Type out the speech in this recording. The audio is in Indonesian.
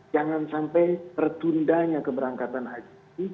jangan sampai tertundanya keberangkatan haji